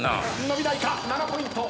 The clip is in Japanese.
伸びないか⁉７ポイント。